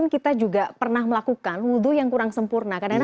bagi perempuan yang ada dirinya